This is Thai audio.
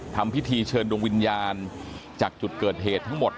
ทำพิธีเชิญดวงวิญญาณจากจุดเกิดเหตุทั้งหมด